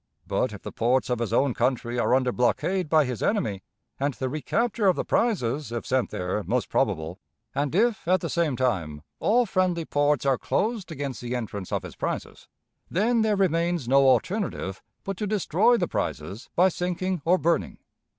But, if the ports of his own country are under blockade by his enemy, and the recapture of the prizes, if sent there, most probable, and if, at the same time, all friendly ports are closed against the entrance of his prizes, then there remains no alternative but to destroy the prizes by sinking or burning.